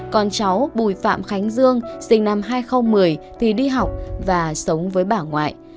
con cháu bùi phạm khánh dương sinh năm hai nghìn một mươi thì đi học và sống với bà ngoại